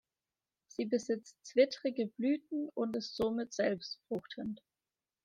Sie besitzt zwittrige Blüten und ist somit selbstfruchtend.